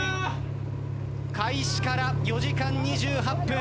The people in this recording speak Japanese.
開始から４時間２８分。